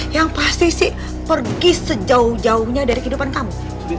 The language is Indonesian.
yang pasti sih pergi sejauh jauhnya dari kehidupan kamu